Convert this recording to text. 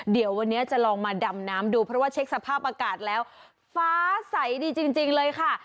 เดี๋ยววันนี้จะลองมาดำน้ำดูเพราะว่าเช็คสภาพอากาศแล้วฟ้าใสดีจริงเลยค่ะ